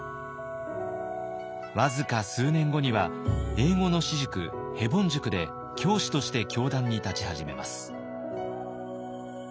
僅か数年後には英語の私塾ヘボン塾で教師として教壇に立ち始めます。